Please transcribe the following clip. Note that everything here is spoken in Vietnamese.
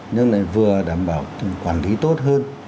nhưng lại vừa đảm bảo quản lý tốt hơn